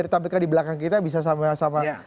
ditampilkan di belakang kita bisa sama sama